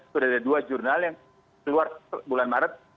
sudah ada dua jurnal yang keluar bulan maret